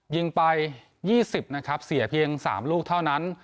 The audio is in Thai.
ยิงไป๒๐นะครับเสียเพียง๓ลูกเท่านั้น